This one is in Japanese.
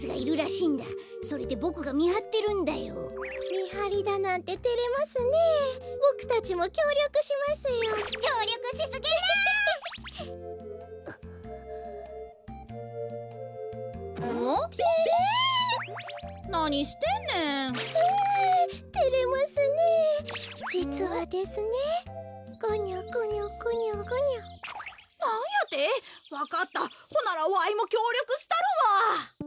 わかったほならわいもきょうりょくしたるわ！